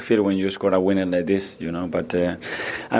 mereka sangat baik dikonsumsi